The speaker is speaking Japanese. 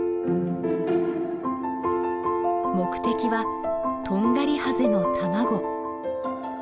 目的はトンガリハゼの卵。